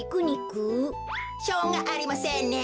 しょうがありませんね。